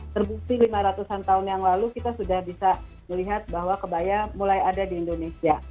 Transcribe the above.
terbukti lima ratus an tahun yang lalu kita sudah bisa melihat bahwa kebaya mulai ada di indonesia